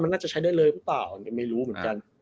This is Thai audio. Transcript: มันน่าจะใช้ได้เลยหรือเปล่าอันนี้ไม่รู้เหมือนกัน